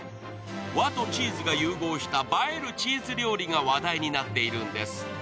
和とチーズが融合した映えるチーズ料理が話題になっているんです。